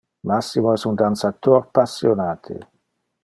Massimo es un dansator passionate.